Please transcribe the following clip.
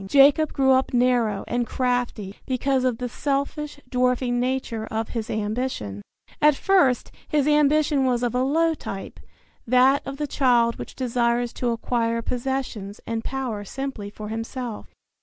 Jacob grew up narrow and crafty because of the selfish, dwarfing nature of his ambition, At first his ambition was of a low type, that of the child which desires to acquire possessions and power simply for himself.